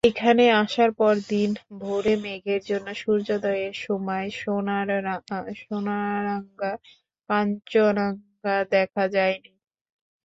এখানে আসার পরদিন ভোরে মেঘের জন্য সূর্যোদয়ের সময় সোনারাঙা কাঞ্চনজঙ্ঘা দেখা যায়নি।